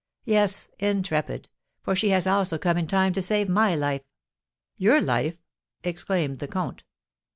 "Yes, intrepid; for she has also come in time to save my life." "Your life?" exclaimed the comte.